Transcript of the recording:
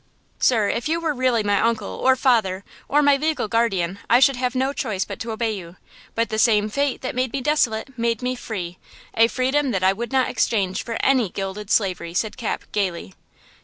"Sir, if you were really my uncle, or father, or my legal guardian, I should have no choice but obey you; but the same fate that made me desolate made me free–a freedom that I would not exchange for any gilded slavery," said Cap, gaily.